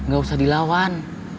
gak usah dilawan